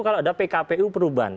kalau ada pkpu perubahan